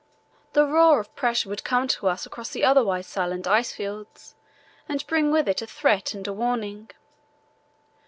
The roar of pressure would come to us across the otherwise silent ice fields, and bring with it a threat and a warning.